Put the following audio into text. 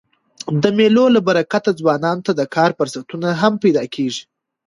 د مېلو له برکته ځوانانو ته د کار فرصتونه هم پیدا کېږي.